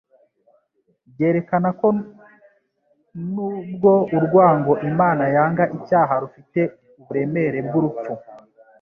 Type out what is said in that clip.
Byerekana ko n'ubwo urwango Imana yanga icyaha rufite uburemere bw'urupfu,